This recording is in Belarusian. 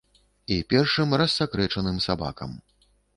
І першым рассакрэчаным сабакам.